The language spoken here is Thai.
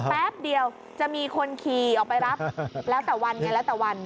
แป๊บเดียวจะมีคนขี่ออกไปรับแล้วแต่วัน